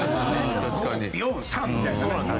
５、４、３みたいな。